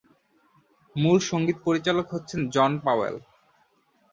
মূল সঙ্গীত পরিচালক হচ্ছেন জন পাওয়েল।